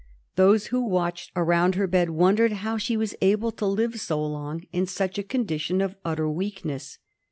Those who watched around her bed wondered how she was able to live so long in such a condition of utter weakness.